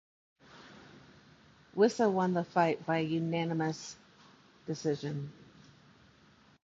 Wisse won the fight by unanimous decision.